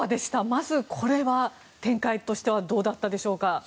まずこれは展開としてはどうだったでしょうか。